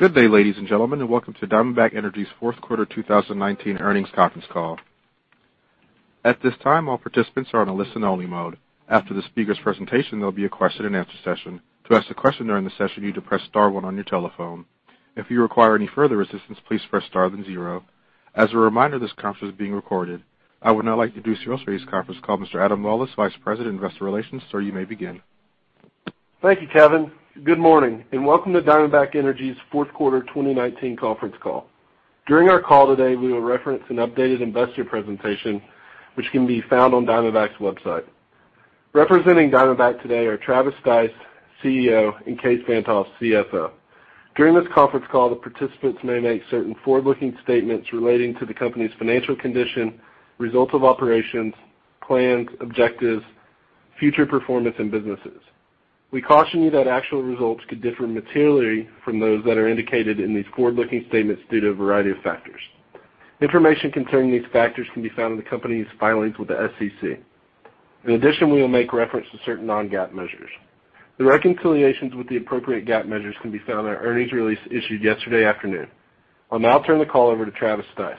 Good day, ladies and gentlemen, and welcome to Diamondback Energy's fourth quarter 2019 earnings conference call. At this time, all participants are on a listen-only mode. After the speaker's presentation, there'll be a question-and-answer session. To ask a question during the session, you need to press star one on your telephone. If you require any further assistance, please press star then zero. As a reminder, this conference is being recorded. I would now like to introduce you all to today's conference call, Mr. Adam Lawlis, Vice President, Investor Relations. Sir, you may begin. Thank you, Kevin. Good morning, and welcome to Diamondback Energy's fourth quarter 2019 conference call. During our call today, we will reference an updated investor presentation which can be found on Diamondback's website. Representing Diamondback today are Travis Stice, CEO, and Kaes Van't Hof, CFO. During this conference call, the participants may make certain forward-looking statements relating to the company's financial condition, results of operations, plans, objectives, future performance, and businesses. We caution you that actual results could differ materially from those that are indicated in these forward-looking statements due to a variety of factors. Information concerning these factors can be found in the company's filings with the SEC. In addition, we will make reference to certain non-GAAP measures. The reconciliations with the appropriate GAAP measures can be found on our earnings release issued yesterday afternoon. I'll now turn the call over to Travis Stice.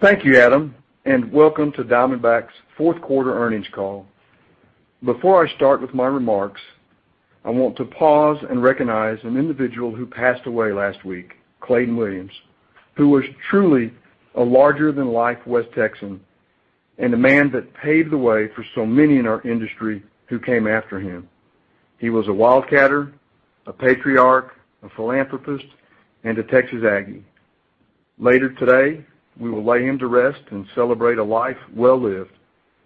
Thank you, Adam, and welcome to Diamondback's fourth quarter earnings call. Before I start with my remarks, I want to pause and recognize an individual who passed away last week, Clayton Williams, who was truly a larger than life West Texan, and a man that paved the way for so many in our industry who came after him. He was a wildcatter, a patriarch, a philanthropist, and a Texas Aggie. Later today, we will lay him to rest and celebrate a life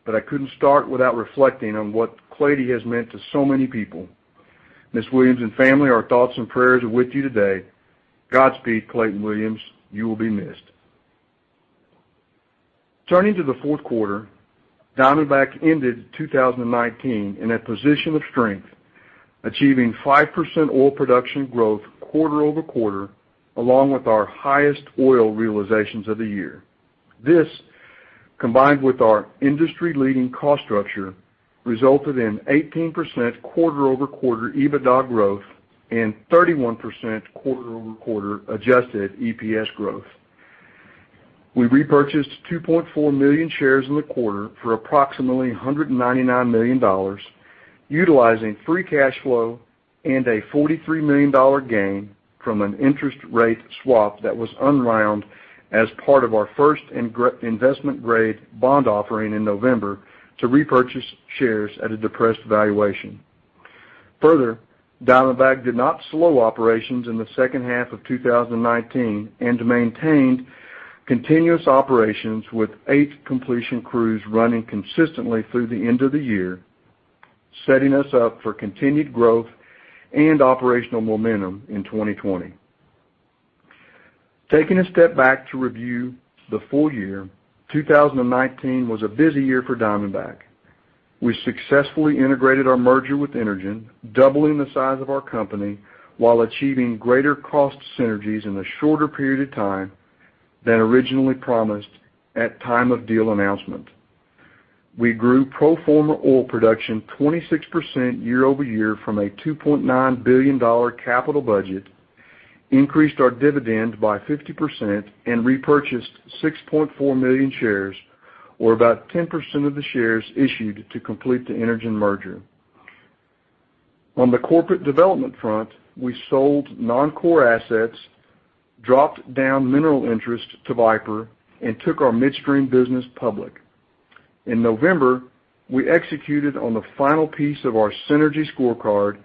well-lived. I couldn't start without reflecting on what Claytie has meant to so many people. Mrs. Williams and family, our thoughts and prayers are with you today. Godspeed, Clayton Williams, you will be missed. Turning to the fourth quarter, Diamondback ended 2019 in a position of strength, achieving 5% oil production growth quarter-over-quarter, along with our highest oil realizations of the year. This, combined with our industry-leading cost structure, resulted in 18% quarter-over-quarter EBITDA growth and 31% quarter-over-quarter adjusted EPS growth. We repurchased 2.4 million shares in the quarter for approximately $199 million, utilizing free cash flow and a $43 million gain from an interest rate swap that was unwound as part of our first investment grade bond offering in November to repurchase shares at a depressed valuation. Further, Diamondback did not slow operations in the second half of 2019 and maintained continuous operations with eight completion crews running consistently through the end of the year, setting us up for continued growth and operational momentum in 2020. Taking a step back to review the full year, 2019 was a busy year for Diamondback. We successfully integrated our merger with Energen, doubling the size of our company while achieving greater cost synergies in a shorter period of time than originally promised at time of deal announcement. We grew pro forma oil production 26% year-over-year from a $2.9 billion capital budget, increased our dividend by 50%, and repurchased 6.4 million shares, or about 10% of the shares issued to complete the Energen merger. On the corporate development front, we sold non-core assets, dropped down mineral interest to Viper, and took our midstream business public. In November, we executed on the final piece of our synergy scorecard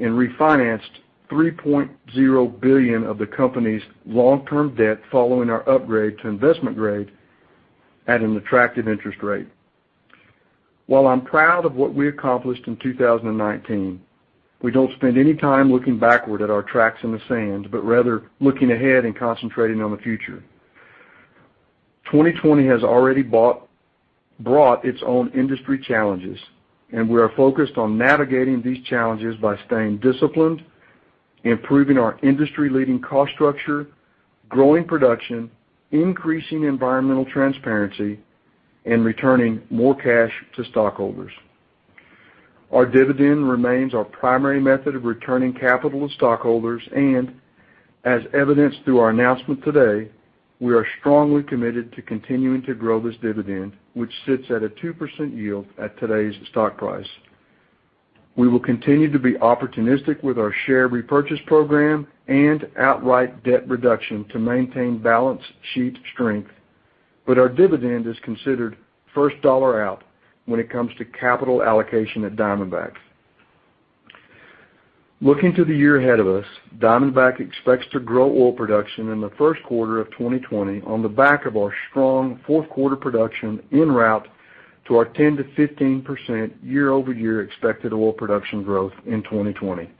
and refinanced $3.0 billion of the company's long-term debt following our upgrade to investment grade at an attractive interest rate. While I'm proud of what we accomplished in 2019, we don't spend any time looking backward at our tracks in the sand, but rather looking ahead and concentrating on the future. 2020 has already brought its own industry challenges, we are focused on navigating these challenges by staying disciplined, improving our industry-leading cost structure, growing production, increasing environmental transparency, and returning more cash to stockholders. Our dividend remains our primary method of returning capital to stockholders, as evidenced through our announcement today, we are strongly committed to continuing to grow this dividend, which sits at a 2% yield at today's stock price. We will continue to be opportunistic with our share repurchase program and outright debt reduction to maintain balance sheet strength, our dividend is considered first dollar out when it comes to capital allocation at Diamondback. Looking to the year ahead of us, Diamondback expects to grow oil production in the first quarter of 2020 on the back of our strong fourth quarter production en route to our 10%-15% year-over-year expected oil production growth in 2020.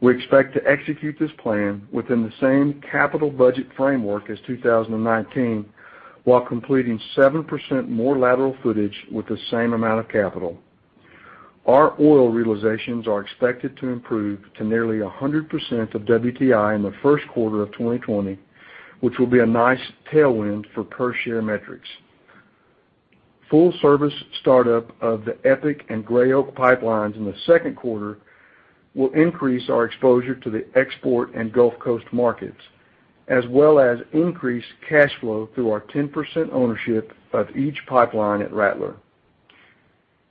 We expect to execute this plan within the same capital budget framework as 2019, while completing 7% more lateral footage with the same amount of capital. Our oil realizations are expected to improve to nearly 100% of WTI in the first quarter of 2020, which will be a nice tailwind for per share metrics. Full service startup of the EPIC and Gray Oak pipelines in the second quarter will increase our exposure to the export and Gulf Coast markets, as well as increase cash flow through our 10% ownership of each pipeline at Rattler.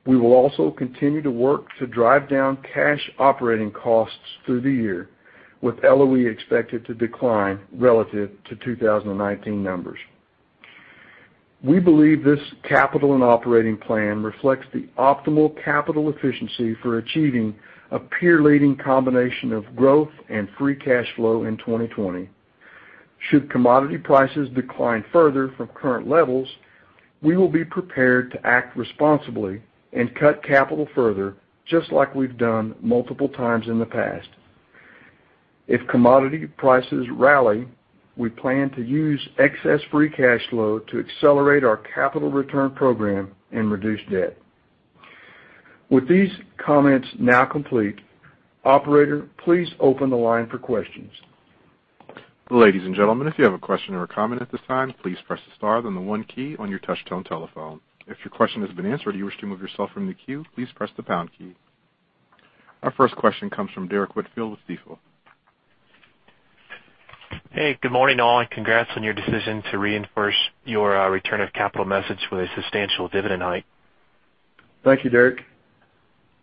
We will also continue to work to drive down cash operating costs through the year, with LOE expected to decline relative to 2019 numbers. We believe this capital and operating plan reflects the optimal capital efficiency for achieving a peer-leading combination of growth and free cash flow in 2020. Should commodity prices decline further from current levels, we will be prepared to act responsibly and cut capital further, just like we've done multiple times in the past. If commodity prices rally, we plan to use excess free cash flow to accelerate our capital return program and reduce debt. With these comments now complete, operator, please open the line for questions. Ladies and gentlemen, if you have a question or a comment at this time, please press the star then the one key on your touch-tone telephone. If your question has been answered or you wish to remove yourself from the queue, please press the pound key. Our first question comes from Derrick Whitfield with Stifel. Hey, good morning, all, and congrats on your decision to reinforce your return of capital message with a substantial dividend hike. Thank you, Derrick.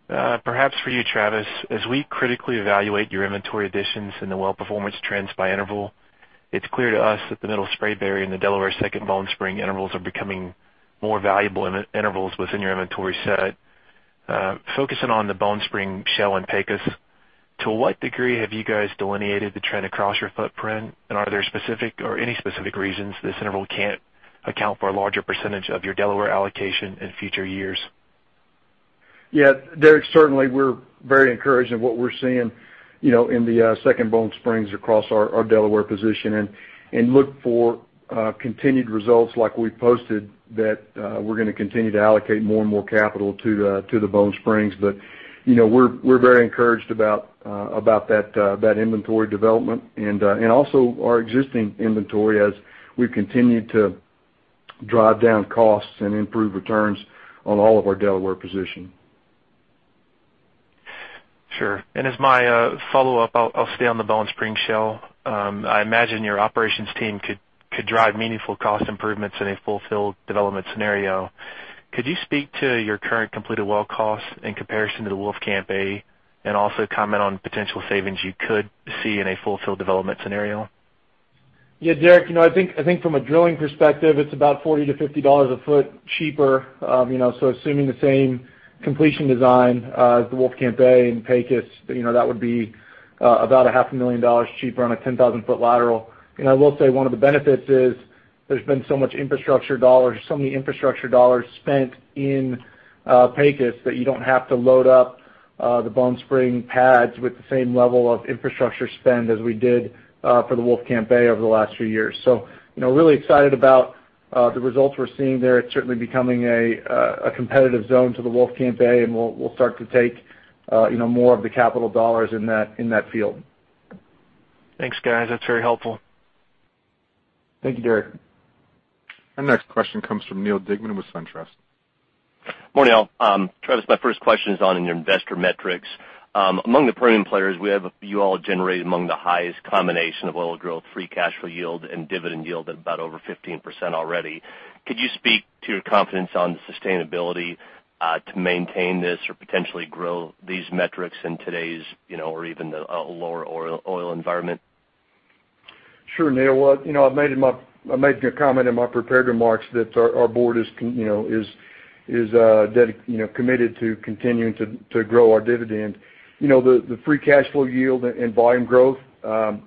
Perhaps for you, Travis, as we critically evaluate your inventory additions and the well performance trends by interval, it's clear to us that the Middle Spraberry and the Delaware Second Bone Spring intervals are becoming more valuable intervals within your inventory set. Focusing on the Bone Spring shale in Pecos, to what degree have you guys delineated the trend across your footprint? Are there specific or any specific reasons this interval can't account for a larger percentage of your Delaware allocation in future years? Yeah, Derrick, certainly, we're very encouraged in what we're seeing in the Second Bone Spring across our Delaware position, and look for continued results like we've posted that we're going to continue to allocate more and more capital to the Bone Spring. We're very encouraged about that inventory development and also our existing inventory as we continue to drive down costs and improve returns on all of our Delaware position. Sure. As my follow-up, I'll stay on the Bone Spring shale. I imagine your operations team could drive meaningful cost improvements in a full-field development scenario. Could you speak to your current completed well costs in comparison to the Wolfcamp A, and also comment on potential savings you could see in a full-field development scenario? Yeah, Derrick, I think from a drilling perspective, it's about $40-$50 a foot cheaper. Assuming the same completion design as the Wolfcamp A in Pecos, that would be about $500,000 cheaper on a 10,000-foot lateral. I will say one of the benefits is there's been so many infrastructure dollars spent in Pecos that you don't have to load up the Bone Spring pads with the same level of infrastructure spend as we did for the Wolfcamp A over the last few years. Really excited about the results we're seeing there. It's certainly becoming a competitive zone to the Wolfcamp A, and we'll start to take more of the capital dollars in that field. Thanks, guys. That's very helpful. Thank you, Derrick. Our next question comes from Neal Dingmann with SunTrust. Morning, all. Travis, my first question is on your investor metrics. Among the premium players, we have you all generated among the highest combination of oil growth, free cash flow yield, and dividend yield at about over 15% already. Could you speak to your confidence on the sustainability to maintain this or potentially grow these metrics in today's or even a lower oil environment? Sure, Neal. I made a comment in my prepared remarks that our board is committed to continuing to grow our dividend. The free cash flow yield and volume growth,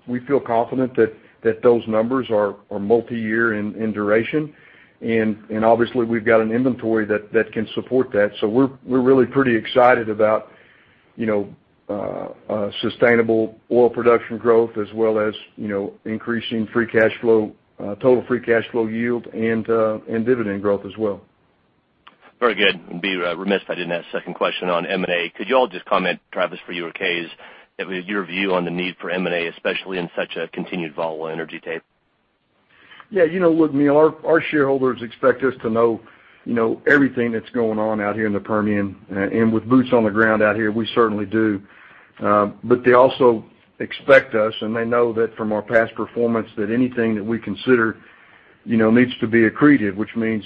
we feel confident that those numbers are multi-year in duration. Obviously, we've got an inventory that can support that. We're really pretty excited about sustainable oil production growth as well as increasing total free cash flow yield and dividend growth as well. Very good. I'd be remiss if I didn't ask second question on M&A. Could you all just comment, Travis, for you or Kaes, your view on the need for M&A, especially in such a continued volatile energy tape? Yeah. Look, Neal, our shareholders expect us to know everything that's going on out here in the Permian. With boots on the ground out here, we certainly do. They also expect us, and they know that from our past performance, that anything that we consider needs to be accretive, which means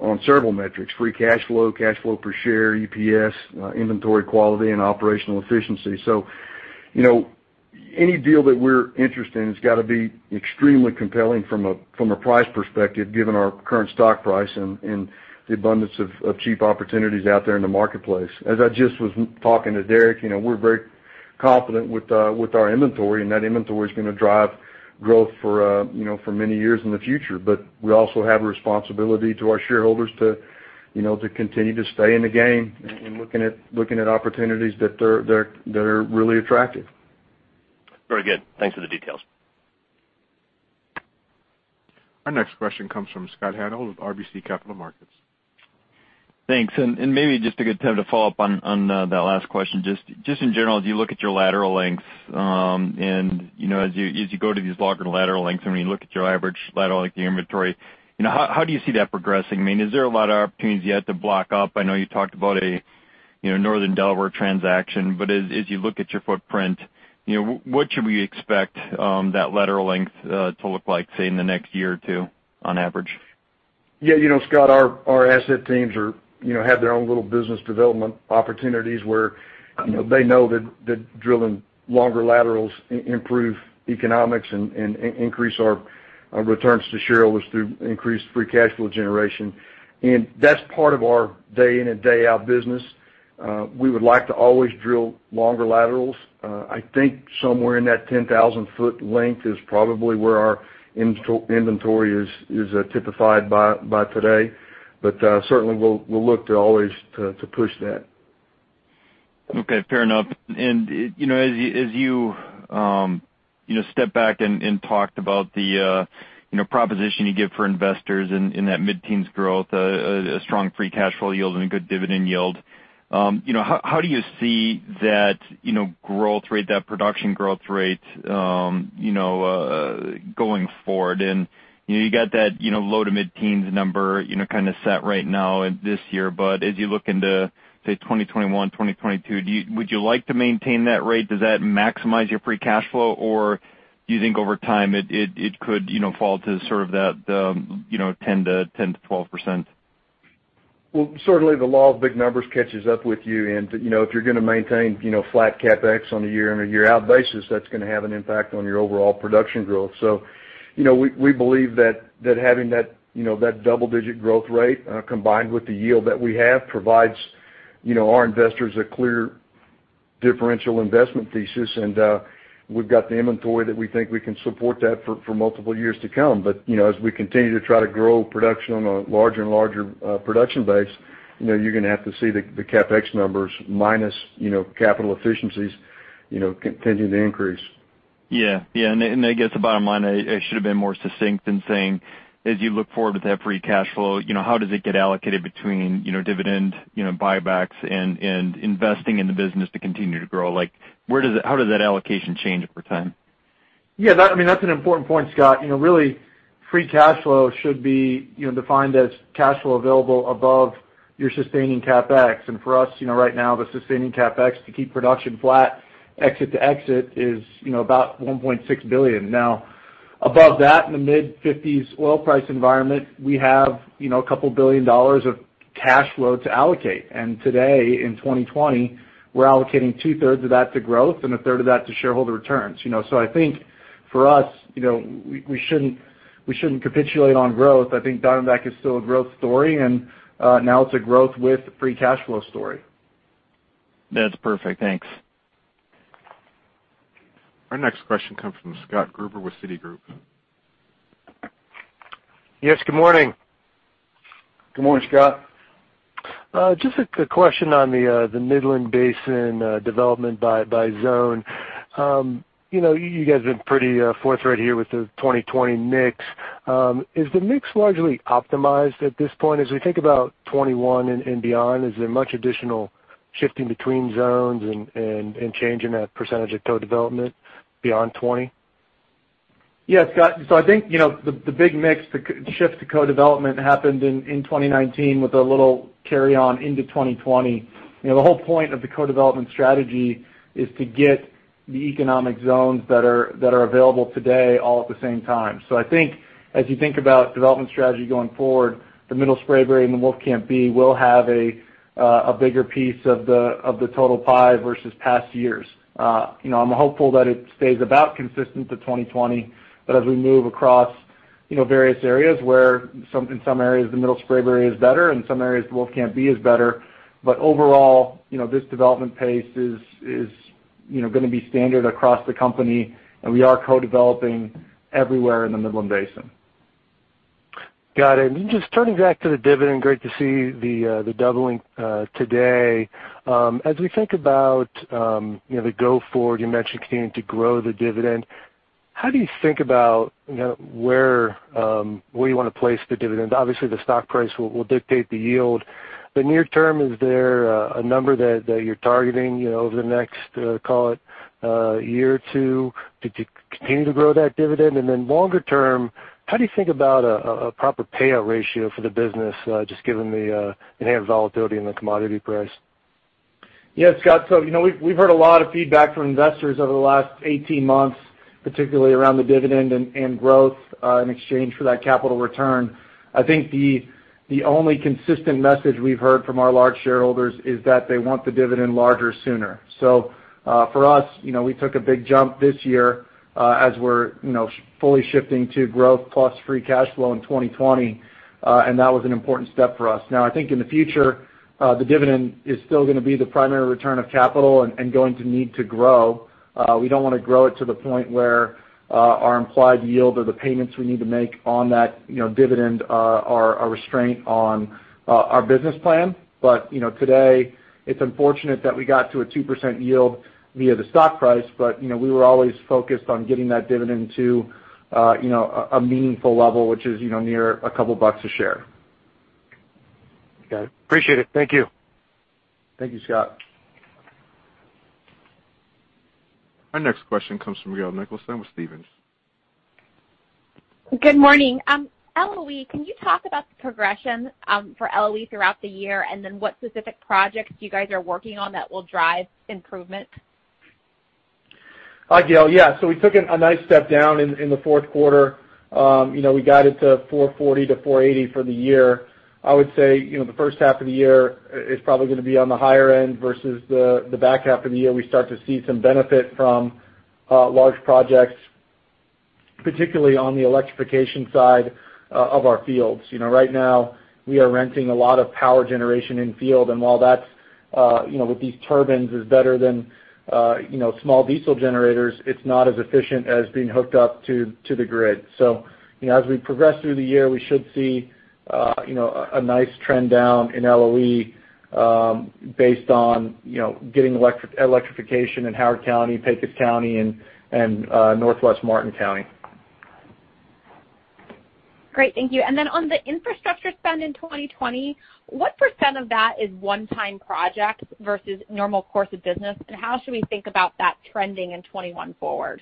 on several metrics, free cash flow, cash flow per share, EPS, inventory quality, and operational efficiency. Any deal that we're interested in has got to be extremely compelling from a price perspective given our current stock price and the abundance of cheap opportunities out there in the marketplace. As I just was talking to Derrick, we're very confident with our inventory, and that inventory's going to drive growth for many years in the future. We also have a responsibility to our shareholders to continue to stay in the game and looking at opportunities that are really attractive. Very good. Thanks for the details. Our next question comes from Scott Hanold with RBC Capital Markets. Thanks. Maybe just a good time to follow up on that last question. Just in general, as you look at your lateral lengths, and as you go to these longer lateral lengths, when you look at your average lateral length, your inventory, how do you see that progressing? Is there a lot of opportunities you have to block up? I know you talked about a Northern Delaware transaction, but as you look at your footprint, what should we expect that lateral length to look like, say, in the next year or two on average? Yeah, Scott, our asset teams have their own little business development opportunities where they know that drilling longer laterals improve economics and increase our returns to shareholders through increased free cash flow generation. That's part of our day in and day out business. We would like to always drill longer laterals. I think somewhere in that 10,000-foot length is probably where our inventory is typified by today. Certainly, we'll look to always to push that. Okay. Fair enough. As you step back and talked about the proposition you give for investors in that mid-teens growth, a strong free cash flow yield, and a good dividend yield, how do you see that production growth rate going forward? You got that low to mid-teens number kind of set right now this year, but as you look into, say, 2021, 2022, would you like to maintain that rate? Does that maximize your free cash flow, or do you think over time it could fall to sort of that 10%-12%? Well, certainly the law of big numbers catches up with you, and if you're going to maintain flat CapEx on a year in a year out basis, that's going to have an impact on your overall production growth. We believe that having that double-digit growth rate, combined with the yield that we have, provides our investors a clear differential investment thesis, and we've got the inventory that we think we can support that for multiple years to come. As we continue to try to grow production on a larger and larger production base, you're going to have to see the CapEx numbers minus capital efficiencies continue to increase. Yeah. I guess the bottom line, I should've been more succinct in saying as you look forward with that free cash flow, how does it get allocated between dividend buybacks and investing in the business to continue to grow? How does that allocation change over time? That's an important point, Scott. Really, free cash flow should be defined as cash flow available above your sustaining CapEx. For us, right now, the sustaining CapEx to keep production flat exit to exit is about $1.6 billion. Above that, in the mid-$50s oil price environment, we have a couple billion dollars of cash flow to allocate. Today, in 2020, we're allocating 2/3 of that to growth and 1/3 of that to shareholder returns. I think for us, we shouldn't capitulate on growth. I think Diamondback is still a growth story, and now it's a growth with free cash flow story. That's perfect. Thanks. Our next question comes from Scott Gruber with Citigroup. Yes, good morning. Good morning, Scott. Just a quick question on the Midland Basin development by zone. You guys have been pretty forthright here with the 2020 mix. Is the mix largely optimized at this point? As we think about 2021 and beyond, is there much additional shifting between zones and change in that percentage of co-development beyond 2020? Yeah, Scott. I think, the big mix shift to co-development happened in 2019, with a little carry on into 2020. The whole point of the co-development strategy is to get the economic zones that are available today all at the same time. I think as you think about development strategy going forward, the Middle Spraberry and the Wolfcamp B will have a bigger piece of the total pie versus past years. I'm hopeful that it stays about consistent to 2020. As we move across various areas where in some areas the Middle Spraberry is better and some areas the Wolfcamp B is better. Overall, this development pace is going to be standard across the company, and we are co-developing everywhere in the Midland Basin. Got it. Just turning back to the dividend, great to see the doubling today. As we think about the go forward, you mentioned continuing to grow the dividend. How do you think about where you want to place the dividend? Obviously, the stock price will dictate the yield. Near term, is there a number that you're targeting over the next, call it, year or two to continue to grow that dividend? Longer term, how do you think about a proper payout ratio for the business, just given the enhanced volatility in the commodity price? Yeah, Scott. We've heard a lot of feedback from investors over the last 18 months, particularly around the dividend and growth in exchange for that capital return. I think the only consistent message we've heard from our large shareholders is that they want the dividend larger sooner. For us, we took a big jump this year as we're fully shifting to growth plus free cash flow in 2020. That was an important step for us. Now, I think in the future, the dividend is still going to be the primary return of capital and going to need to grow. We don't want to grow it to the point where our implied yield or the payments we need to make on that dividend are a restraint on our business plan. Today, it's unfortunate that we got to a 2% yield via the stock price, but we were always focused on getting that dividend to a meaningful level, which is near a couple bucks a share. Okay. Appreciate it. Thank you. Thank you, Scott. Our next question comes from Gail Nicholson with Stephens. Good morning. LOE, can you talk about the progression for LOE throughout the year, and then what specific projects you guys are working on that will drive improvement? Hi, Gail. Yeah. We took a nice step down in the fourth quarter. We got it to $440 million-$480 million for the year. I would say, the first half of the year is probably going to be on the higher end versus the back half of the year, we start to see some benefit from large projects, particularly on the electrification side of our fields. Right now, we are renting a lot of power generation in field, and while that, with these turbines, is better than small diesel generators, it's not as efficient as being hooked up to the grid. As we progress through the year, we should see a nice trend down in LOE based on getting electrification in Howard County, Pecos County, and Northwest Martin County. Great. Thank you. Then on the infrastructure spend in 2020, what percent of that is one-time projects versus normal course of business, and how should we think about that trending in 2021 forward?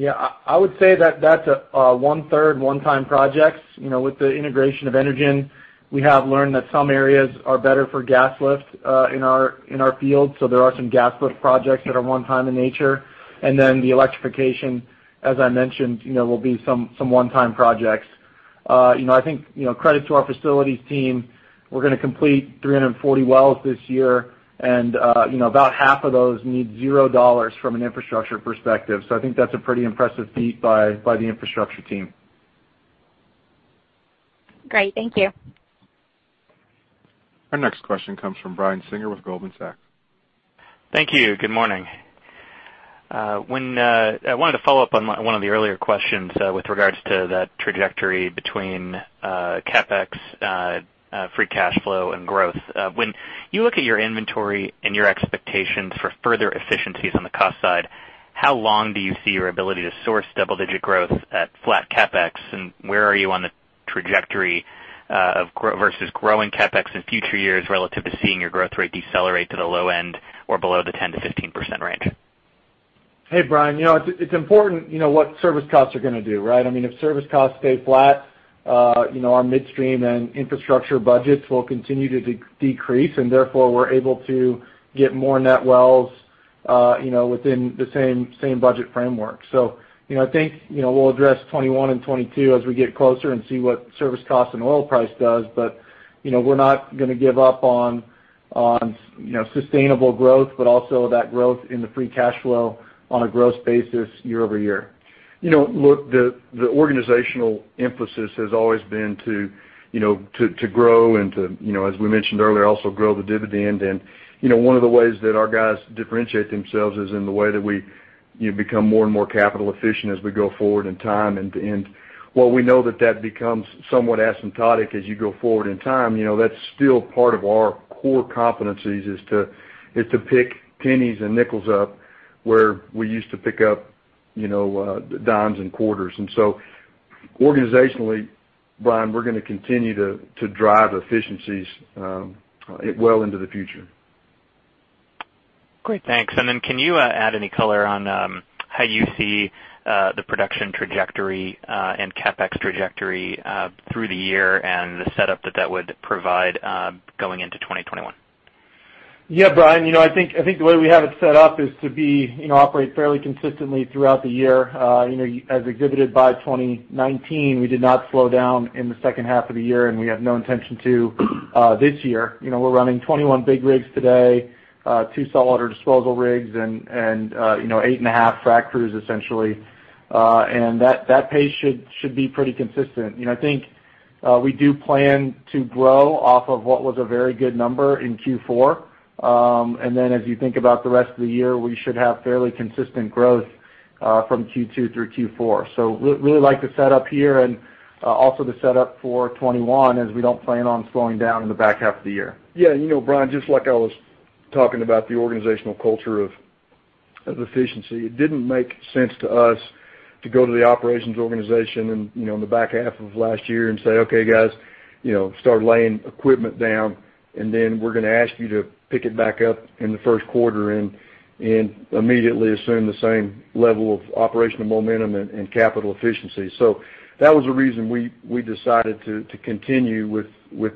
Yeah. I would say that's 1/3 one-time projects. With the integration of Energen, we have learned that some areas are better for gas lift in our fields, there are some gas lift projects that are one-time in nature. The electrification, as I mentioned, will be some one-time projects. I think, credit to our facilities team, we're going to complete 340 wells this year, and about half of those need $0 from an infrastructure perspective. I think that's a pretty impressive feat by the infrastructure team. Great. Thank you. Our next question comes from Brian Singer with Goldman Sachs. Thank you. Good morning. I wanted to follow up on one of the earlier questions with regards to that trajectory between CapEx, free cash flow, and growth. When you look at your inventory and your expectations for further efficiencies on the cost side, how long do you see your ability to source double-digit growth at flat CapEx, where are you on the trajectory versus growing CapEx in future years relative to seeing your growth rate decelerate to the low end or below the 10%-15% range? Hey, Brian. It's important what service costs are going to do, right? If service costs stay flat, our midstream and infrastructure budgets will continue to decrease, and therefore, we're able to get more net wells within the same budget framework. I think we'll address 2021 and 2022 as we get closer and see what service cost and oil price does. We're not going to give up on sustainable growth, but also that growth in the free cash flow on a gross basis year-over-year. Look, the organizational emphasis has always been to grow and to, as we mentioned earlier, also grow the dividend. One of the ways that our guys differentiate themselves is in the way that we become more and more capital efficient as we go forward in time. While we know that that becomes somewhat asymptotic as you go forward in time, that's still part of our core competencies, is to pick pennies and nickels up where we used to pick up dimes and quarters. Organizationally, Brian, we're going to continue to drive efficiencies well into the future. Great. Thanks. Can you add any color on how you see the production trajectory and CapEx trajectory through the year and the setup that that would provide going into 2021? Yeah, Brian. I think the way we have it set up is to operate fairly consistently throughout the year. As exhibited by 2019, we did not slow down in the second half of the year. We have no intention to this year. We're running 21 big rigs today, two solid disposal rigs, 8.5 frac crews, essentially. That pace should be pretty consistent. I think we do plan to grow off of what was a very good number in Q4. As you think about the rest of the year, we should have fairly consistent growth from Q2 through Q4. We really like the setup here and also the setup for 2021 as we don't plan on slowing down in the back half of the year. Brian, just like I was talking about the organizational culture of efficiency, it didn't make sense to us to go to the operations organization in the back half of last year and say, "Okay, guys, start laying equipment down, and then we're going to ask you to pick it back up in the first quarter and immediately assume the same level of operational momentum and capital efficiency." That was the reason we decided to continue with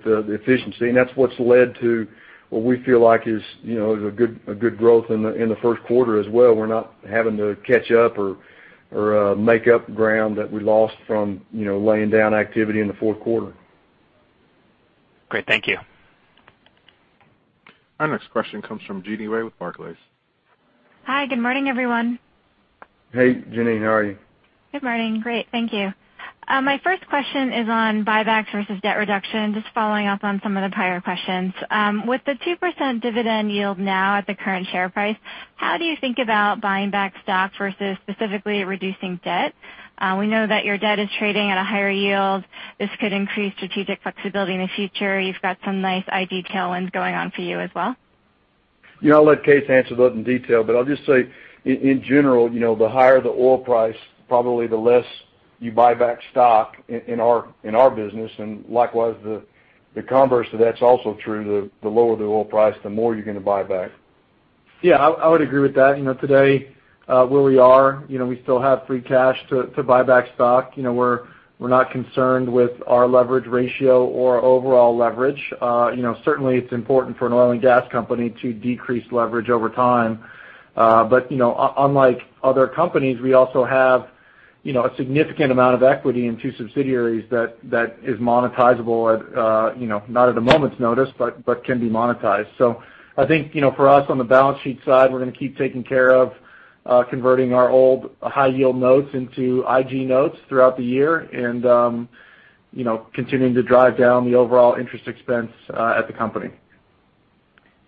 the efficiency, and that's what's led to what we feel like is a good growth in the first quarter as well. We're not having to catch up or make up ground that we lost from laying down activity in the fourth quarter. Great. Thank you. Our next question comes from Jeanine Wai with Barclays. Hi. Good morning, everyone. Hey, Jeanine. How are you? Good morning. Great, thank you. My first question is on buybacks versus debt reduction, just following up on some of the prior questions. With the 2% dividend yield now at the current share price, how do you think about buying back stock versus specifically reducing debt? We know that your debt is trading at a higher yield. This could increase strategic flexibility in the future. You've got some nice IG tailwinds going on for you as well. I'll let Kaes answer those in detail, but I'll just say, in general, the higher the oil price, probably the less you buy back stock in our business. Likewise, the converse to that's also true, the lower the oil price, the more you're going to buy back. Yeah, I would agree with that. Today, where we are, we still have free cash to buy back stock. We're not concerned with our leverage ratio or overall leverage. Certainly, it's important for an oil and gas company to decrease leverage over time. Unlike other companies, we also have a significant amount of equity in two subsidiaries that is monetizable, not at a moment's notice, but can be monetized. I think, for us, on the balance sheet side, we're going to keep taking care of converting our old high-yield notes into IG notes throughout the year and continuing to drive down the overall interest expense at the company.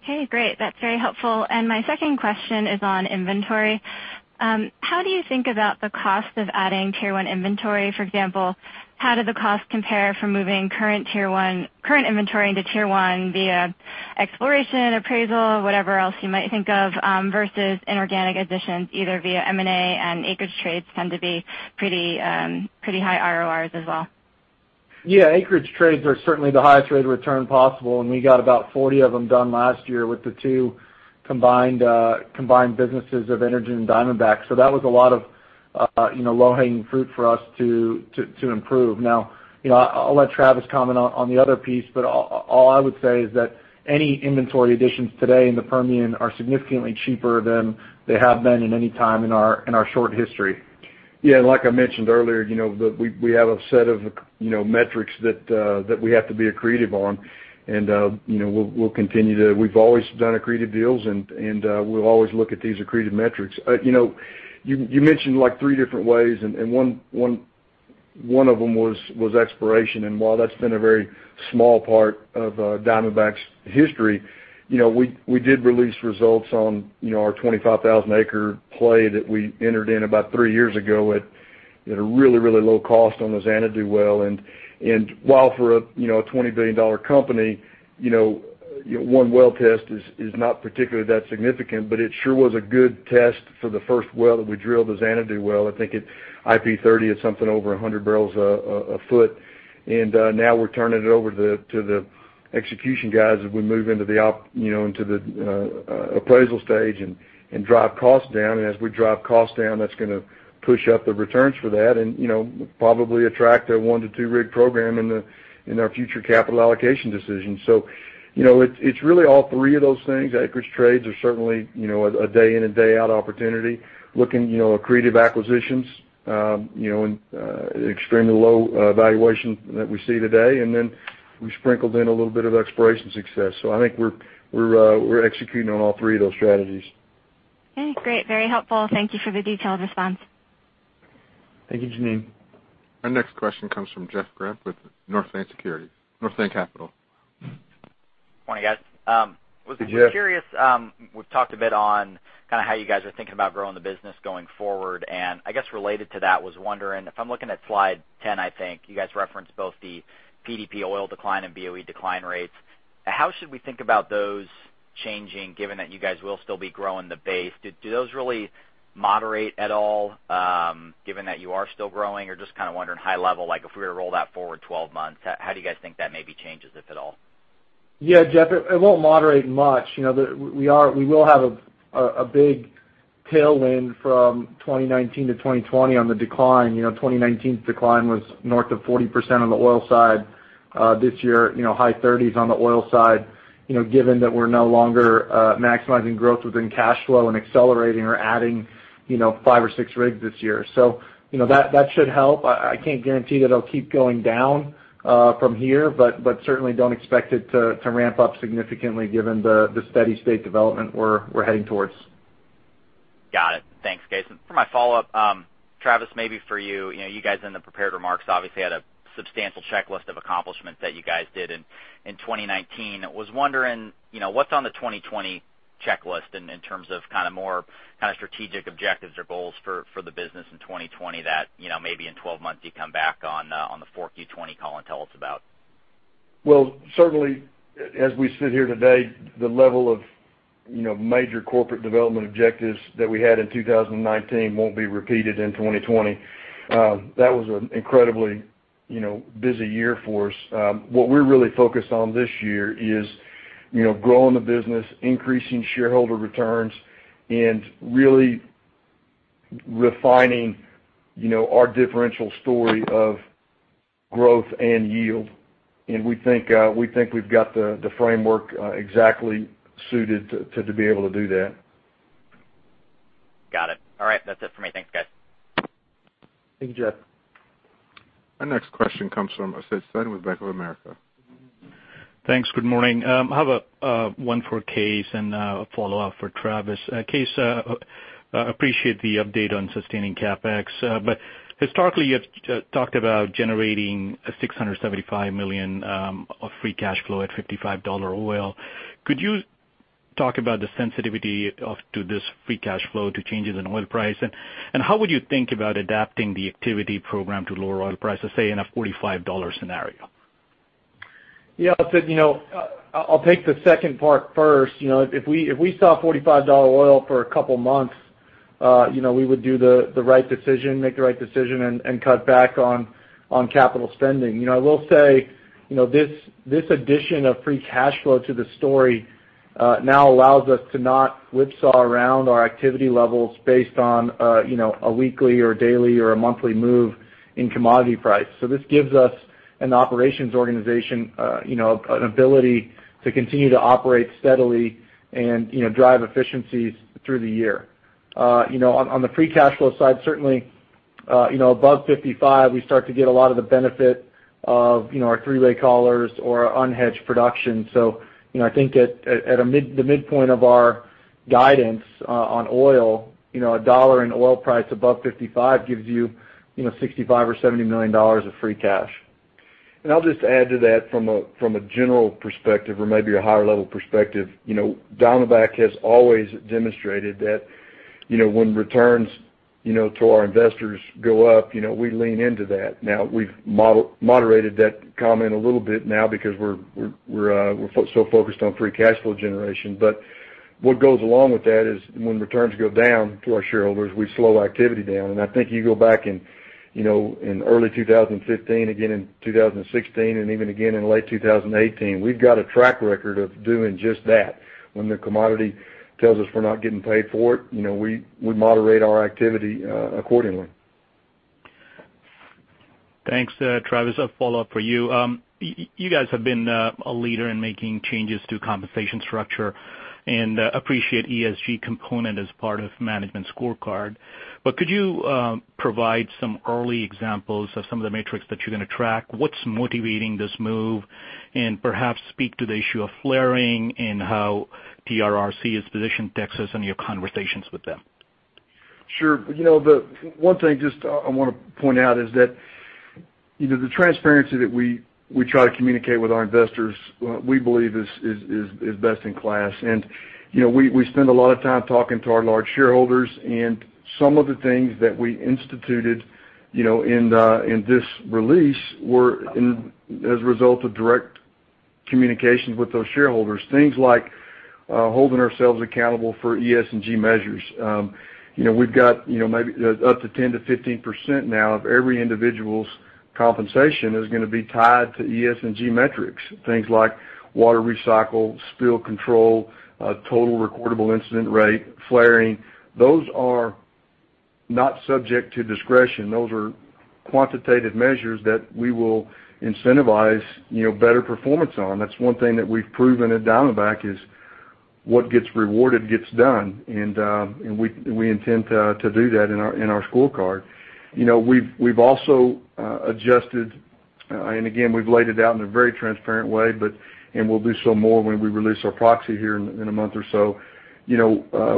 Okay, great. That's very helpful. My second question is on inventory. How do you think about the cost of adding tier 1 inventory? For example, how do the costs compare from moving current inventory into tier 1 via exploration, appraisal, whatever else you might think of, versus inorganic additions, either via M&A and acreage trades tend to be pretty high RORs as well. Yeah, acreage trades are certainly the highest rate of return possible, and we got about 40 of them done last year with the two combined businesses of Energen and Diamondback. That was a lot of low-hanging fruit for us to improve. Now, I'll let Travis comment on the other piece, but all I would say is that any inventory additions today in the Permian are significantly cheaper than they have been in any time in our short history. Yeah, like I mentioned earlier, we have a set of metrics that we have to be accretive on. We'll continue to, we've always done accretive deals and we'll always look at these accretive metrics. You mentioned three different ways, and one of them was exploration. While that's been a very small part of Diamondback's history, we did release results on our 25,000-acre play that we entered in about three years ago at a really low cost on the Xanadu well. While for a $20 billion company, one well test is not particularly that significant, but it sure was a good test for the first well that we drilled, the Xanadu well. I think at IP-30, it's something over 100 bbl a foot. Now we're turning it over to the execution guys as we move into the appraisal stage and drive costs down. As we drive costs down, that's going to push up the returns for that and probably attract a one to two-rig program in our future capital allocation decisions. It's really all three of those things. Acreage trades are certainly a day-in and day-out opportunity. Looking at accretive acquisitions, extremely low valuation that we see today, and then we sprinkled in a little bit of exploration success. I think we're executing on all three of those strategies. Okay, great. Very helpful. Thank you for the detailed response. Thank you, Jeanine. Our next question comes from Jeff Grampp with Northland Capital. Good morning, guys. Hey, Jeff. Was just curious, we've talked a bit on how you guys are thinking about growing the business going forward. I guess related to that, was wondering if I'm looking at slide 10, I think, you guys referenced both the PDP oil decline and BOE decline rates. How should we think about those changing given that you guys will still be growing the base? Do those really moderate at all, given that you are still growing? Just kind of wondering high level, if we were to roll that forward 12 months, how do you guys think that maybe changes, if at all? Yeah, Jeff, it won't moderate much. We will have a big tailwind from 2019 to 2020 on the decline. 2019's decline was north of 40% on the oil side. This year, high 30%s on the oil side, given that we're no longer maximizing growth within cash flow and accelerating or adding five or six rigs this year. So that should help. I can't guarantee that it'll keep going down from here, but certainly don't expect it to ramp up significantly given the steady state development we're heading towards. Got it. Thanks, Kaes. For my follow-up, Travis, maybe for you. You guys in the prepared remarks obviously had a substantial checklist of accomplishments that you guys did in 2019. Was wondering what's on the 2020 checklist in terms of more strategic objectives or goals for the business in 2020 that maybe in 12 months you come back on the 4Q 2020 call and tell us about? Well, certainly as we sit here today, the level of major corporate development objectives that we had in 2019 won't be repeated in 2020. That was an incredibly busy year for us. What we're really focused on this year is growing the business, increasing shareholder returns, and really refining our differential story of growth and yield. We think we've got the framework exactly suited to be able to do that. Got it. All right. That's it for me. Thanks, guys. Thank you, Jeff. Our next question comes from Asit Sen with Bank of America. Thanks. Good morning. I have one for Kaes and a follow-up for Travis. Kaes, appreciate the update on sustaining CapEx. Historically, you've talked about generating $675 million of free cash flow at $55 oil. Could you talk about the sensitivity to this free cash flow to changes in oil price, and how would you think about adapting the activity program to lower oil prices, say, in a $45 scenario? Asit, I'll take the second part first. If we saw $45 oil for a couple of months, we would do the right decision, make the right decision, and cut back on capital spending. I will say, this addition of free cash flow to the story now allows us to not whipsaw around our activity levels based on a weekly or daily or a monthly move in commodity price. This gives us an operations organization an ability to continue to operate steadily and drive efficiencies through the year. On the free cash flow side, certainly above $55, we start to get a lot of the benefit of our three-way collars or our unhedged production. I think at the midpoint of our guidance on oil, a dollar in oil price above $55 gives you $65 million or $70 million of free cash. I'll just add to that from a general perspective or maybe a higher-level perspective. Diamondback has always demonstrated that when returns to our investors go up, we lean into that. Now, we've moderated that comment a little bit now because we're so focused on free cash flow generation. What goes along with that is when returns go down to our shareholders, we slow activity down. I think you go back in early 2015, again in 2016, and even again in late 2018, we've got a track record of doing just that. When the commodity tells us we're not getting paid for it, we moderate our activity accordingly. Thanks, Travis. A follow-up for you. You guys have been a leader in making changes to compensation structure and appreciate ESG component as part of management scorecard, but could you provide some early examples of some of the metrics that you're going to track? What's motivating this move? Perhaps speak to the issue of flaring and how TRRC is positioned in Texas and your conversations with them. Sure. One thing just I want to point out is that the transparency that we try to communicate with our investors, we believe is best in class. We spend a lot of time talking to our large shareholders, and some of the things that we instituted in this release were as a result of direct communications with those shareholders. Things like holding ourselves accountable for ESG measures. We've got maybe up to 10%-15% now of every individual's compensation is going to be tied to ESG metrics. Things like water recycle, spill control, total recordable incident rate, flaring. Those are not subject to discretion. Those are quantitative measures that we will incentivize better performance on. That's one thing that we've proven at Diamondback is what gets rewarded, gets done. We intend to do that in our scorecard. We've also adjusted, and again, we've laid it out in a very transparent way, and we'll do so more when we release our proxy here in a month or so.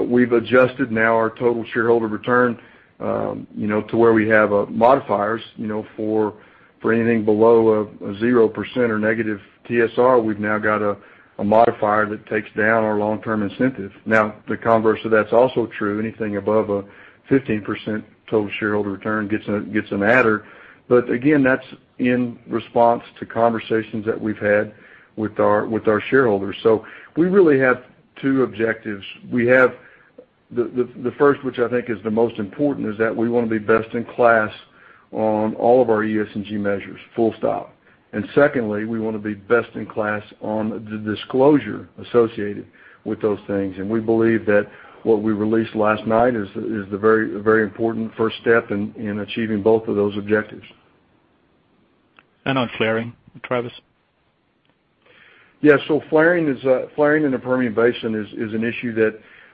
We've adjusted now our total shareholder return, to where we have modifiers for anything below a 0% or negative TSR, we've now got a modifier that takes down our long-term incentive. Now, the converse of that's also true. Anything above a 15% total shareholder return gets an adder. Again, that's in response to conversations that we've had with our shareholders. We really have two objectives. The first, which I think is the most important, is that we want to be best in class on all of our ESG measures, full stop. Secondly, we want to be best in class on the disclosure associated with those things. We believe that what we released last night is the very important first step in achieving both of those objectives. On flaring, Travis? Flaring in the Permian Basin is an issue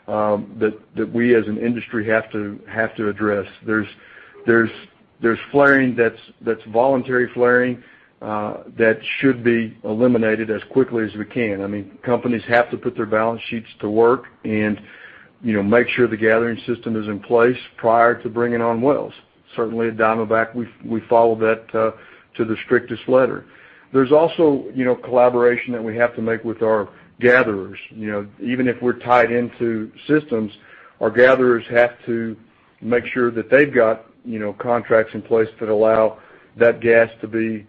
that we as an industry have to address. There's flaring that's voluntary flaring that should be eliminated as quickly as we can. Companies have to put their balance sheets to work and make sure the gathering system is in place prior to bringing on wells. Certainly at Diamondback, we follow that to the strictest letter. There's also collaboration that we have to make with our gatherers. Even if we're tied into systems, our gatherers have to make sure that they've got contracts in place that allow that gas to be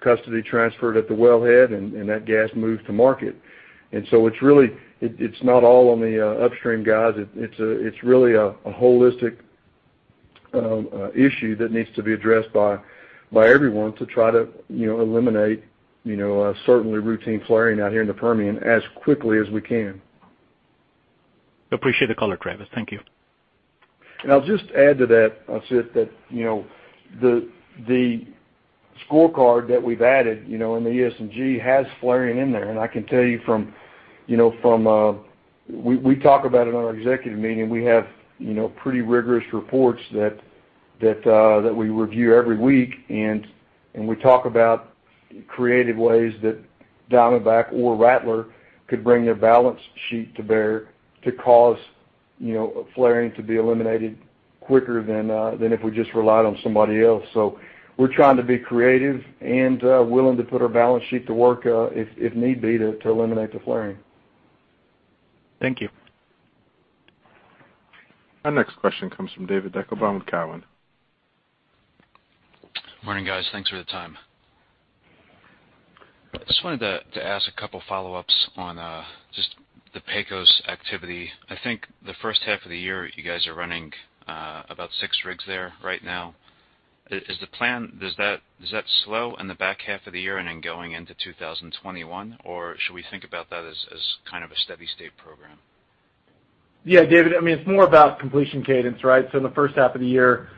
custody transferred at the wellhead and that gas moved to market. It's not all on the upstream guys. It's really a holistic issue that needs to be addressed by everyone to try to eliminate certainly routine flaring out here in the Permian as quickly as we can. Appreciate the color, Travis. Thank you. I'll just add to that, Asit, that the scorecard that we've added in the ESG has flaring in there. I can tell you, we talk about it in our executive meeting. We have pretty rigorous reports that we review every week, and we talk about creative ways that Diamondback or Rattler could bring their balance sheet to bear to cause flaring to be eliminated quicker than if we just relied on somebody else. We're trying to be creative and willing to put our balance sheet to work if need be, to eliminate the flaring. Thank you. Our next question comes from David Deckelbaum with Cowen. Morning, guys. Thanks for the time. I just wanted to ask a couple follow-ups on just the Pecos activity. I think the first half of the year, you guys are running about six rigs there right now. Does that slow in the back half of the year and then going into 2021? Should we think about that as kind of a steady state program? Yeah, David. It's more about completion cadence, right? In the first half of the year,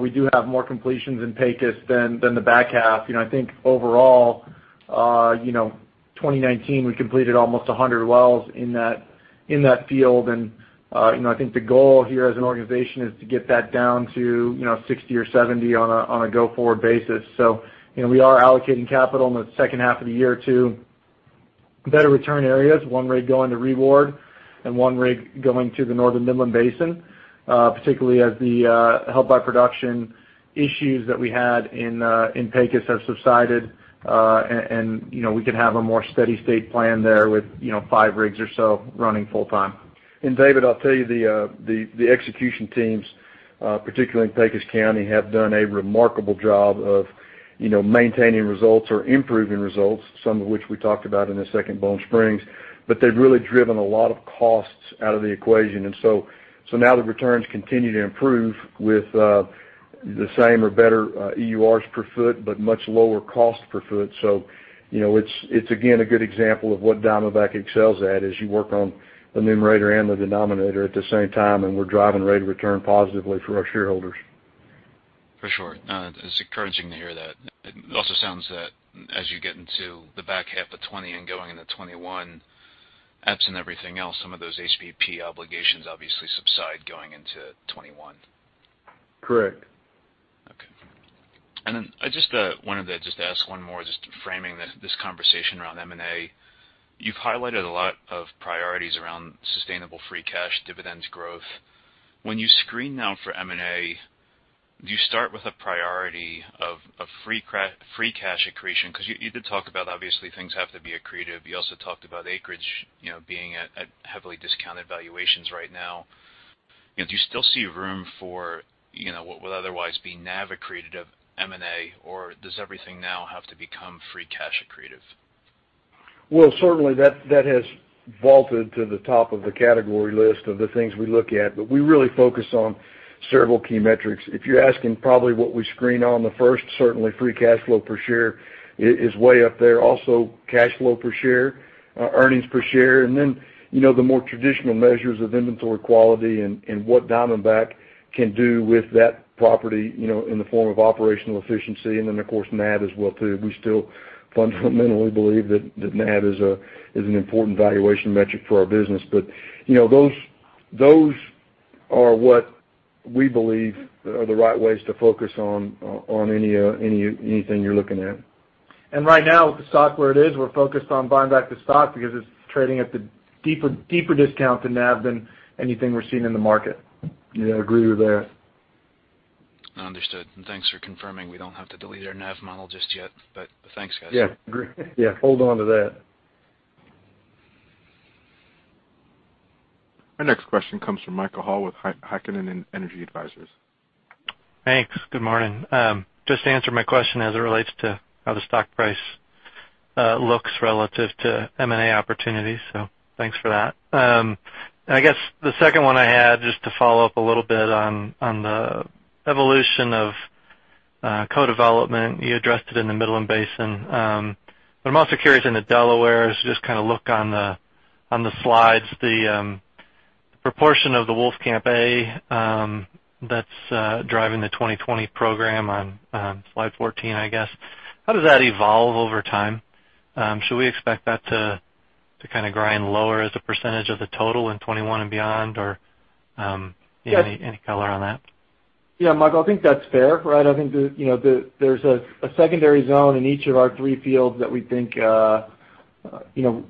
we do have more completions in Pecos than the back half. I think overall, 2019, we completed almost 100 wells in that field. I think the goal here as an organization is to get that down to 60 or 70 on a go-forward basis. We are allocating capital in the second half of the year to better return areas. One rig going to ReWard and one rig going to the Northern Midland Basin, particularly as the held by production issues that we had in Pecos have subsided, and we can have a more steady state plan there with five rigs or so running full time. David, I'll tell you, the execution teams, particularly in Pecos County, have done a remarkable job of maintaining results or improving results, some of which we talked about in the Second Bone Spring. They've really driven a lot of costs out of the equation. Now the returns continue to improve with the same or better EURs per foot, but much lower cost per foot. It's again a good example of what Diamondback excels at, is you work on the numerator and the denominator at the same time, and we're driving rate of return positively for our shareholders. For sure. It's encouraging to hear that. It also sounds that as you get into the back half of 2020 and going into 2021, absent everything else, some of those HBP obligations obviously subside going into 2021. Correct. Okay. I just wanted to just ask one more just framing this conversation around M&A. You've highlighted a lot of priorities around sustainable free cash dividends growth. When you screen now for M&A, do you start with a priority of free cash accretion? You did talk about, obviously, things have to be accretive. You also talked about acreage being at heavily discounted valuations right now. Do you still see room for what would otherwise be NAV accretive M&A, or does everything now have to become free cash accretive? Well, certainly that has vaulted to the top of the category list of the things we look at. We really focus on several key metrics. If you're asking probably what we screen on the first, certainly free cash flow per share is way up there. Cash flow per share, earnings per share, the more traditional measures of inventory quality and what Diamondback can do with that property in the form of operational efficiency, NAV as well, too. We still fundamentally believe that NAV is an important valuation metric for our business. Those are what we believe are the right ways to focus on anything you're looking at. Right now, with the stock where it is, we're focused on buying back the stock because it's trading at the deeper discount to NAV than anything we're seeing in the market. Yeah, agree with that. Understood, and thanks for confirming. We don't have to delete our NAV model just yet, but thanks, guys. Yeah. Agree. Yeah, hold on to that. Our next question comes from Michael Hall with Heikkinen Energy Advisors. Thanks. Good morning. Just to answer my question as it relates to how the stock price looks relative to M&A opportunities, thanks for that. I guess the second one I had, just to follow up a little bit on the evolution of co-development. You addressed it in the Midland Basin. I'm also curious in the Delaware, as you just kind of look on the slides, the proportion of the Wolfcamp A that's driving the 2020 program on slide 14, I guess. How does that evolve over time? Should we expect that to kind of grind lower as a percentage of the total in 2021 and beyond or any color on that? Yeah, Michael, I think that's fair, right? I think there's a secondary zone in each of our three fields that we think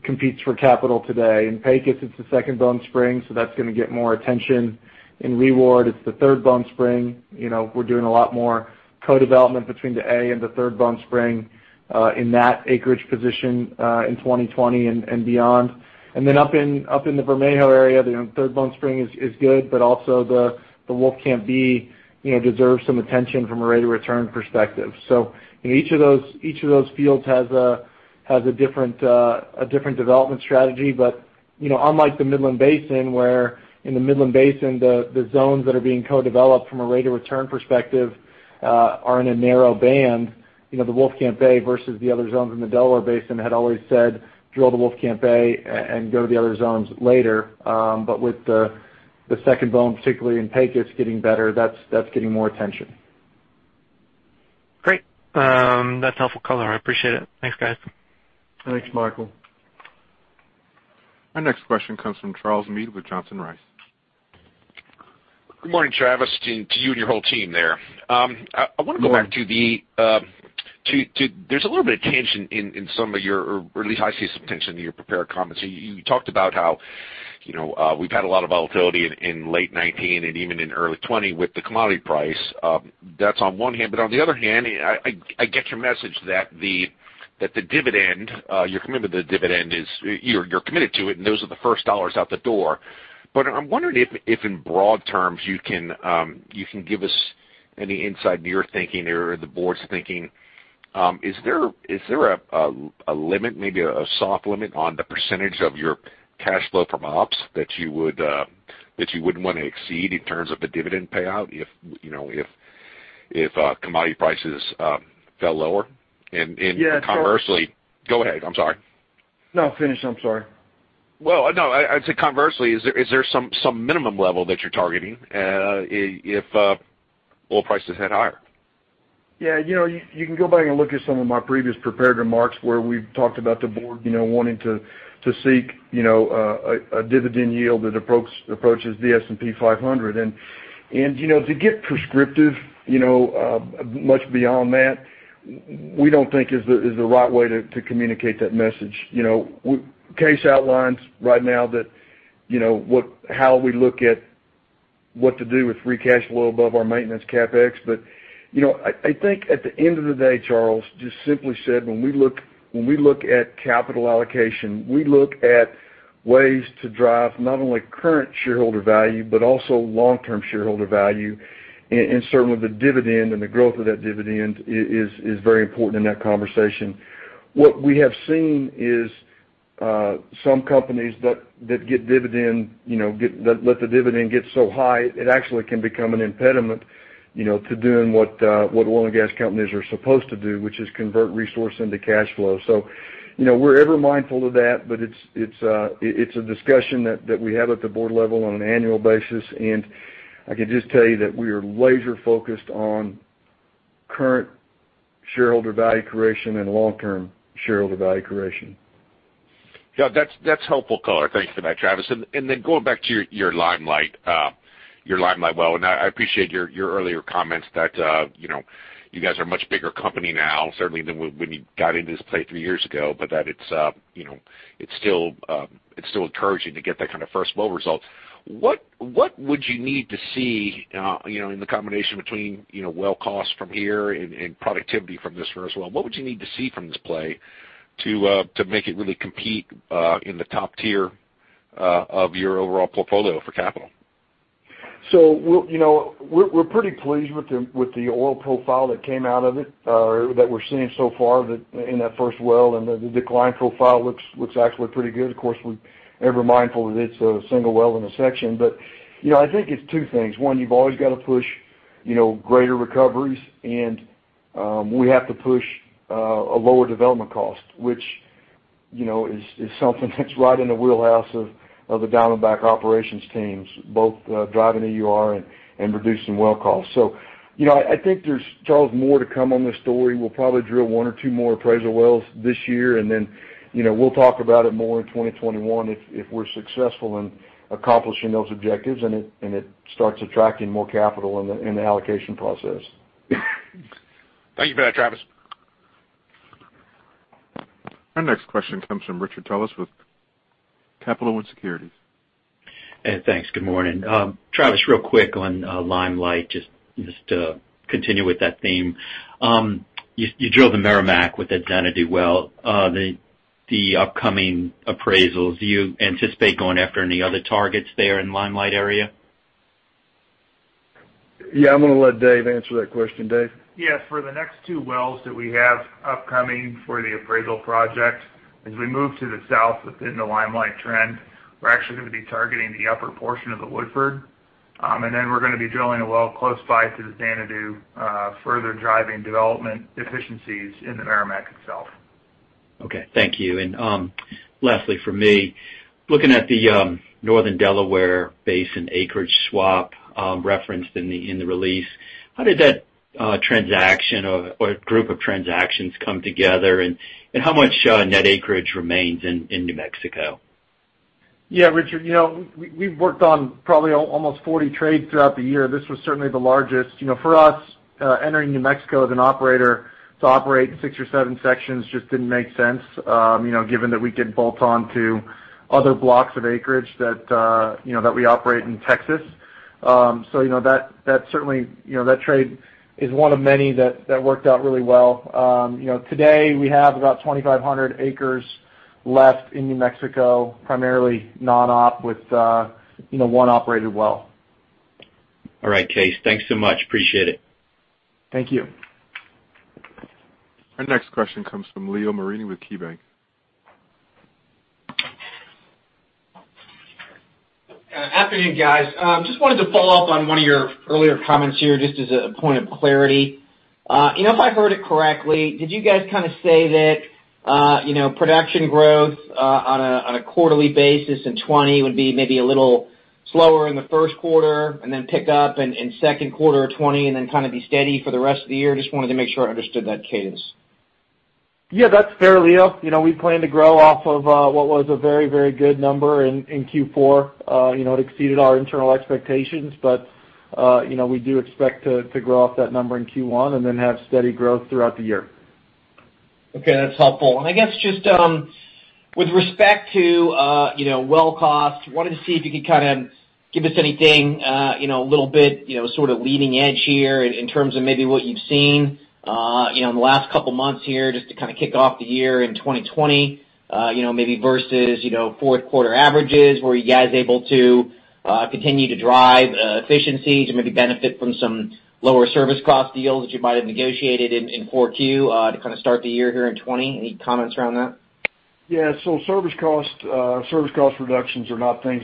competes for capital today. In Pecos, it's the Second Bone Spring, that's going to get more attention. In ReWard, it's the Third Bone Spring. We're doing a lot more co-development between the A and the Third Bone Spring, in that acreage position, in 2020 and beyond. Up in the Vermejo area, the Third Bone Spring is good, also the Wolfcamp B deserves some attention from a rate of return perspective. Each of those fields has a different development strategy. Unlike the Midland Basin, where in the Midland Basin the zones that are being co-developed from a rate of return perspective are in a narrow band. The Wolfcamp A versus the other zones in the Delaware Basin had always said, "Drill the Wolfcamp A and go to the other zones later." With the Second Bone, particularly in Pecos getting better, that's getting more attention. Great. That's helpful color. I appreciate it. Thanks, guys. Thanks, Michael. Our next question comes from Charles Meade with Johnson Rice. Good morning, Travis, to you and your whole team there. Good morning. I want to go back to there's a little bit of tension in some of your, or at least I see some tension in your prepared comments. You talked about how we've had a lot of volatility in late 2019 and even in early 2020 with the commodity price. That's on one hand, on the other hand, I get your message that the dividend, you're committed to it, and those are the first dollars out the door. I'm wondering if in broad terms, you can give us any insight into your thinking or the board's thinking. Is there a limit, maybe a soft limit, on the percentage of your cash flow from ops that you wouldn't want to exceed in terms of a dividend payout if commodity prices fell lower? Yeah. Go ahead, I'm sorry. No, finish. I'm sorry. Well, no, I'd say conversely, is there some minimum level that you're targeting if oil prices head higher? You can go back and look at some of my previous prepared remarks where we've talked about the board wanting to seek a dividend yield that approaches the S&P 500. To get prescriptive much beyond that, we don't think is the right way to communicate that message. Kaes outlines right now how we look at what to do with free cash flow above our maintenance CapEx. I think at the end of the day, Charles, just simply said, when we look at capital allocation, we look at ways to drive not only current shareholder value, but also long-term shareholder value. Certainly, the dividend and the growth of that dividend is very important in that conversation. What we have seen is some companies that let the dividend get so high, it actually can become an impediment to doing what oil and gas companies are supposed to do, which is convert resource into cash flow. We're ever mindful of that, but it's a discussion that we have at the board level on an annual basis. I can just tell you that we are laser focused on current shareholder value creation and long-term shareholder value creation. Yeah. That's helpful color. Thank you for that, Travis. Then going back to your Limelight well, I appreciate your earlier comments that you guys are a much bigger company now, certainly than when you got into this play three years ago. But it's still encouraging to get that kind of first well result. What would you need to see in the combination between well cost from here and productivity from this first well, what would you need to see from this play to make it really compete in the top tier of your overall portfolio for capital? We're pretty pleased with the oil profile that came out of it that we're seeing so far in that first well, and the decline profile looks actually pretty good. Of course, we're ever mindful that it's a single well in a section. I think it's two things. One, you've always got to push greater recoveries, and we have to push a lower development cost, which is something that's right in the wheelhouse of the Diamondback operations teams, both driving EUR and reducing well costs. I think there's, Charles, more to come on this story. We'll probably drill one or two more appraisal wells this year, and then we'll talk about it more in 2021 if we're successful in accomplishing those objectives, and it starts attracting more capital in the allocation process. Thank you for that, Travis. Our next question comes from Richard Tullis with Capital One Securities. Hey, thanks. Good morning. Travis, real quick on Limelight, just to continue with that theme. You drilled the Meramec with the Xanadu well. The upcoming appraisals, do you anticipate going after any other targets there in Limelight area? Yeah, I'm going to let Danny answer that question. Danny? Yes. For the next two wells that we have upcoming for the appraisal project, as we move to the south within the Limelight trend, we're actually going to be targeting the upper portion of the Woodford. Then we're going to be drilling a well close by to the Xanadu, further driving development efficiencies in the Meramec itself. Okay, thank you. Lastly for me, looking at the Northern Delaware Basin acreage swap referenced in the release, how did that transaction or group of transactions come together, and how much net acreage remains in New Mexico? Yeah, Richard, we've worked on probably almost 40 trades throughout the year. This was certainly the largest. For us, entering New Mexico as an operator to operate six or seven sections just didn't make sense, given that we could bolt on to other blocks of acreage that we operate in Texas. That trade is one of many that worked out really well. Today, we have about 2,500 acres left in New Mexico, primarily non-op with one operated well. All right, Kaes, thanks so much. Appreciate it. Thank you. Our next question comes from Leo Mariani with KeyBanc. Afternoon, guys. Just wanted to follow up on one of your earlier comments here, just as a point of clarity. If I heard it correctly, did you guys kind of say that production growth on a quarterly basis in 2020 would be maybe a little slower in the first quarter and then pick up in second quarter of 2020, and then kind of be steady for the rest of the year? Just wanted to make sure I understood that cadence. Yeah, that's fair, Leo. We plan to grow off of what was a very good number in Q4. It exceeded our internal expectations. We do expect to grow off that number in Q1 and then have steady growth throughout the year. Okay, that's helpful. I guess just with respect to well cost, wanted to see if you could kind of give us anything a little bit sort of leading edge here in terms of maybe what you've seen in the last couple of months here, just to kind of kick off the year in 2020, maybe versus fourth quarter averages? Were you guys able to continue to drive efficiencies or maybe benefit from some lower service cost deals that you might have negotiated in 4Q to kind of start the year here in 2020? Any comments around that? Yeah. Service cost reductions are not things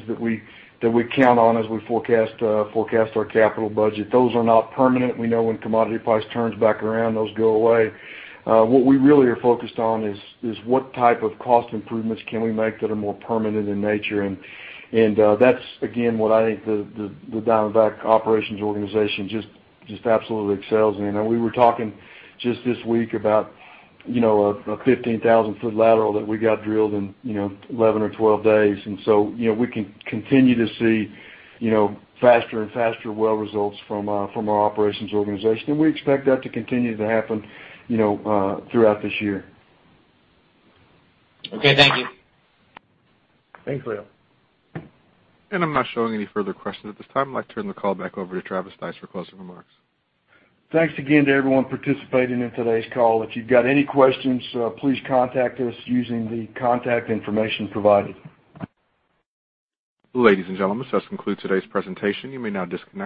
that we count on as we forecast our capital budget. Those are not permanent. We know when commodity price turns back around, those go away. What we really are focused on is what type of cost improvements can we make that are more permanent in nature. That's, again, what I think the Diamondback operations organization just absolutely excels in. We were talking just this week about a 15,000-foot lateral that we got drilled in 11 or 12 days. We can continue to see faster and faster well results from our operations organization. We expect that to continue to happen throughout this year. Okay, thank you. Thanks, Leo. I'm not showing any further questions at this time. I'd like to turn the call back over to Travis Stice for closing remarks. Thanks again to everyone participating in today's call. If you've got any questions, please contact us using the contact information provided. Ladies and gentlemen, this does conclude today's presentation. You may now disconnect.